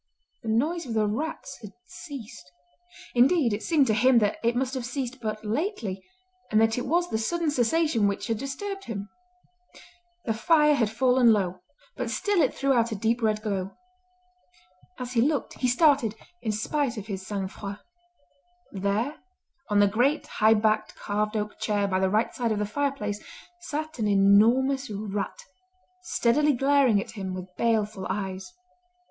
The noise of the rats had ceased. Indeed it seemed to him that it must have ceased but lately and that it was the sudden cessation which had disturbed him. The fire had fallen low, but still it threw out a deep red glow. As he looked he started in spite of his sang froid. There on the great high backed carved oak chair by the right side of the fireplace sat an enormous rat, steadily glaring at him with baleful eyes.